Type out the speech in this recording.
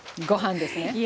ご飯ですね。